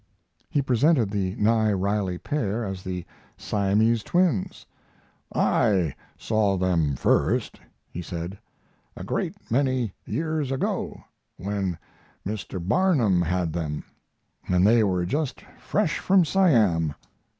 He presented the Nye Riley pair as the Siamese Twins. "I saw them first," he sand, "a great many years ago, when Mr. Barnum had them, and they were just fresh from Siam.